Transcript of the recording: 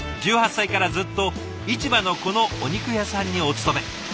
１８歳からずっと市場のこのお肉屋さんにお勤め。